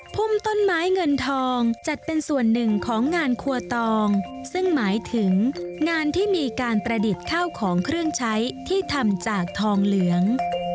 พุ่มต้นไม้เงินทองจัดเป็นส่วนหนึ่งของงานครัวตองซึ่งหมายถึงงานที่มีการประดิษฐ์ข้าวของเครื่องใช้ที่ทำจากทองเหลือง